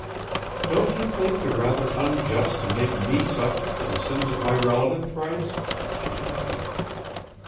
"Don't you think you're rather unjust to make me suffer for the sins of my relative, Bryce?" she demanded.